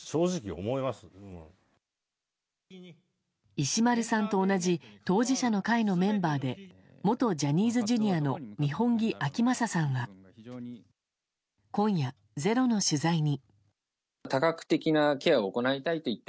石丸さんと同じ当事者の会のメンバーで元ジャニーズＪｒ．の二本樹顕理さんは今夜、「ｚｅｒｏ」の取材に。